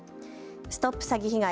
ＳＴＯＰ詐欺被害！